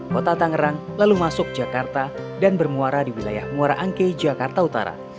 kota tangerang lalu masuk jakarta dan bermuara di wilayah muara angke jakarta utara